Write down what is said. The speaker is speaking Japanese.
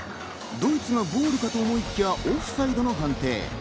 ドイツがゴールかと思いきや、オフサイドの判定。